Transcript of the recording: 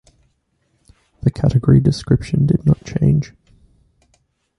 The category description did not change.